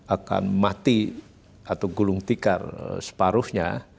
akan mati atau gulung tikar separuhnya